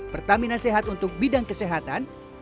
pertamina sehat untuk bidang kesehatan